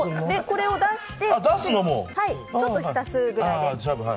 出して、ちょっと浸すくらいです。